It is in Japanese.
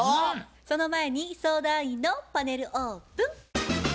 その前に相談員のパネルオープン。